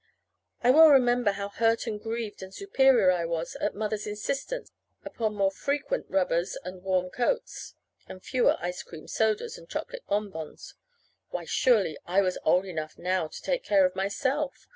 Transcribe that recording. I well remember how hurt and grieved and superior I was at Mother's insistence upon more frequent rubbers and warm coats, and fewer ice cream sodas and chocolate bonbons. Why, surely I was old enough now to take care of myself!